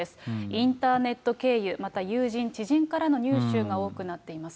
インターネット経由、また友人、知人からの入手が多くなっています。